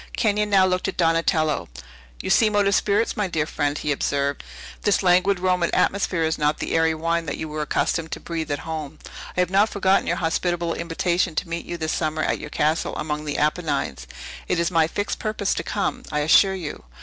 Kenyon now looked at Donatello. "You seem out of spirits, my dear friend," he observed. "This languid Roman atmosphere is not the airy wine that you were accustomed to breathe at home. I have not forgotten your hospitable invitation to meet you this summer at your castle among the Apennines. It is my fixed purpose to come, I assure you.